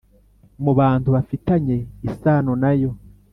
mu bantu bafitanye isano na yo